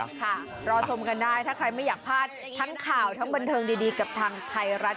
ค่ะรอชมกันได้ถ้าใครไม่อยากพลาดทั้งข่าวทั้งบันเทิงดีกับทางไทยรัฐ